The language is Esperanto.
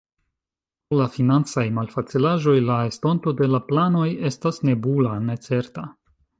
Pro la financaj malfacilaĵoj, la estonto de la planoj estas nebula, necerta.